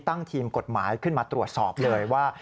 ตั้งทีมกฎหมายขึ้นมาตรวจสอบเลยว่า